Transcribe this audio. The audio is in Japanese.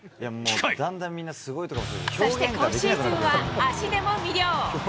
そして、今シーズンは足でも魅了。